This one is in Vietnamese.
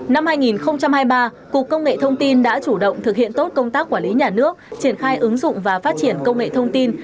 năm hai nghìn hai mươi ba cục công nghệ thông tin đã chủ động thực hiện tốt công tác quản lý nhà nước triển khai ứng dụng và phát triển công nghệ thông tin